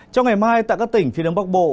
trong ngày mai tại các tỉnh phía đông bắc bộ